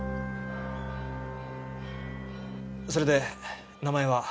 それで名前は？